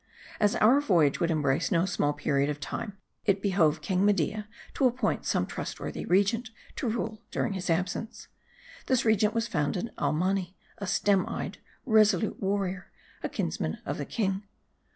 As our voyage would embrace no small period of time, it behoved King Media to appoint some trustworthy regent, to rule during his absence. This regent was found in Almanni, a stern eyed, resolute warrior, a kinsman of the king.